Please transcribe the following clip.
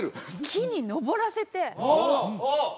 木に登らせておお！